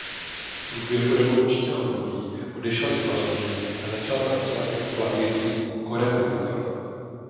V průběhu revolučního období odešel do Paříže a začal pracovat jako klavírní korepetitor.